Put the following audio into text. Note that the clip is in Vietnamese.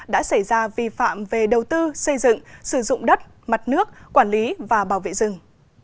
đã xảy ra vi phạm về đầu tư xây dựng sử dụng đất mặt nước quản lý và bảo vệ rừng